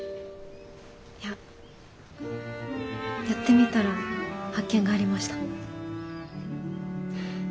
いややってみたら発見がありました。